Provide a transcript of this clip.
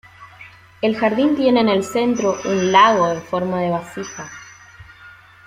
El jardín tiene en el centro un lago en forma de vasija.